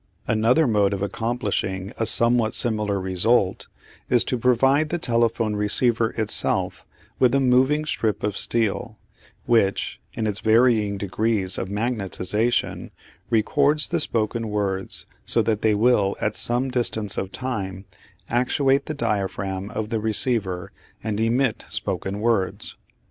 Another mode of accomplishing a somewhat similar result is to provide the telephone receiver itself with a moving strip of steel, which, in its varying degrees of magnetisation, records the spoken words so that they will, at some distance of time, actuate the diaphragm of the receiver and emit spoken words.